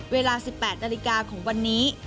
เวลา๑๘นาฬิกาของวันนี้